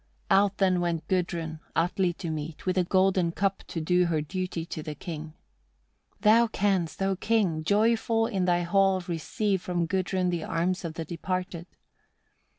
33. Out then went Gudrun, Atli to meet, with a golden cup to do her duty to the king. "Thou canst, O King! joyful in thy hall receive from Gudrun the arms of the departed."